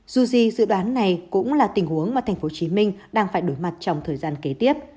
dù gì dự đoán này cũng là tình huống mà tp hcm đang phải đối mặt trong thời gian kế tiếp